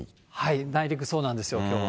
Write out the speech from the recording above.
内陸、そうなんですよ、きょう。